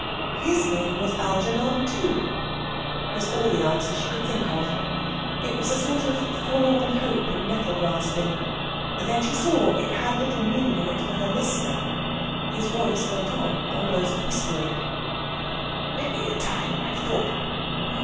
"His name was Algernon, too," was all the answer she could think of. It was a sort of forlorn hope in nettle grasping. Then she saw it had little meaning in it for her listener. His voice went on, almost whispering: "Many a time I've thought